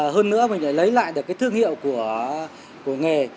hơn nữa mình để lấy lại được cái thương hiệu của nghề